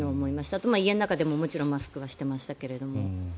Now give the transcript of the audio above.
あと、家の中でももちろんマスクはしていましたけど。